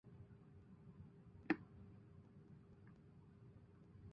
多花唇柱苣苔为苦苣苔科唇柱苣苔属下的一个种。